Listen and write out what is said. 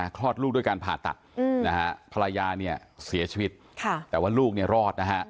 คลอดลูกด้วยการผ่าตัดภาวะเสียชีวิตแต่ว่าลูกรอด